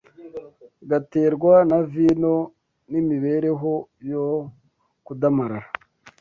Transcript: gaterwa na vino n’imibereho yo kudamarara